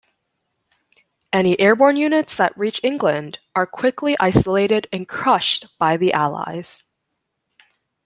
Any airborne units that reach England are quickly isolated and crushed by the Allies.